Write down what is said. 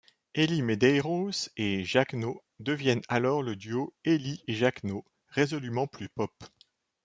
Elli Medeiros et Jacno deviennent alors le duo Elli et Jacno résolument plus pop.